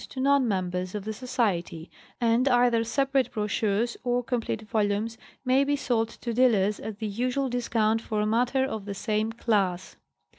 to non members of the Society ; and either separate brochures or complete volumes may be sold to dealers at the usual discount for matter of the same class.